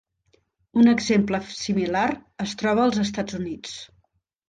Un exemple similar es troba als Estats Units.